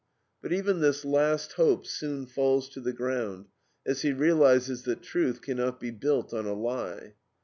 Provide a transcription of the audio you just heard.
But even this last hope soon falls to the ground, as he realizes that truth cannot be built on a lie.